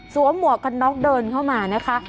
หมวกกันน็อกเดินเข้ามานะคะ